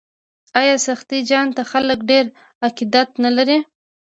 آیا سخي جان ته خلک ډیر عقیدت نلري؟